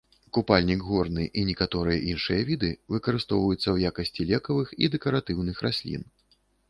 Купальнік горны і некаторыя іншыя віды выкарыстоўваюцца ў якасці лекавых і дэкаратыўных раслін.